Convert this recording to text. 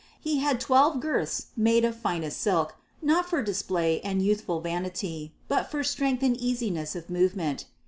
He had twelve girths made of finest silk, not for display and youthful vanity, but for strength and easiness of movement.